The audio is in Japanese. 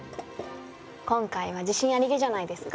今回は自信ありげじゃないですか？